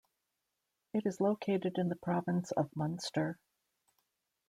It is located in the province of Munster.